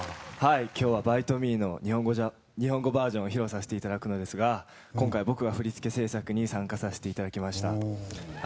今日は「Ｂｉｔｅｍｅ」の日本語バージョンを披露させていただくのですが今回僕が振り付け制作に参加させていただきました。